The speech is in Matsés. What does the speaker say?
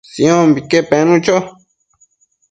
Siombique penu cho